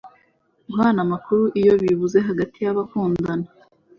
Guhana amakuru iyo bibuze hagati y’abakunda